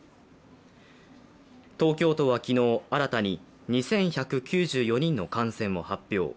東京都は昨日新たに２１９４人の感染を発表。